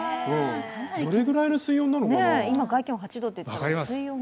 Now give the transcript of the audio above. どれくらいの水温なのかな。